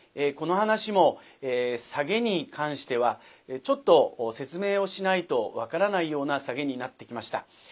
この噺もサゲに関してはちょっと説明をしないと分からないようなサゲになってきました。